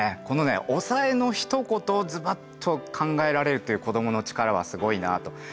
このね押さえのひと言をズバッと考えられるっていう子どもの力はすごいなあと。